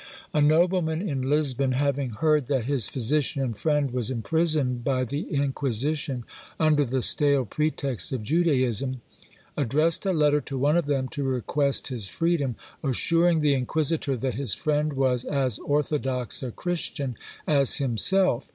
A nobleman in Lisbon having heard that his physician and friend was imprisoned by the Inquisition, under the stale pretext of Judaism, addressed a letter to one of them to request his freedom, assuring the inquisitor that his friend was as orthodox a Christian as himself.